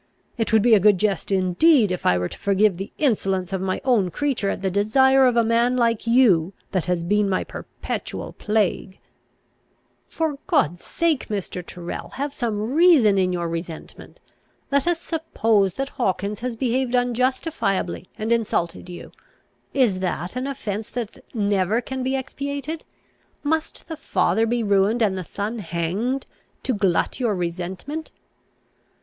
It would be a good jest indeed, if I were to forgive the insolence of my own creature at the desire of a man like you that has been my perpetual plague." "For God's sake, Mr. Tyrrel, have some reason in your resentment! Let us suppose that Hawkins has behaved unjustifiably, and insulted you: is that an offence that never can be expiated? Must the father be ruined, and the son hanged, to glut your resentment?"